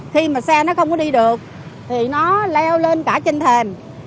khi mà xe nó không có đi được thì nó leo lên cả trên thềm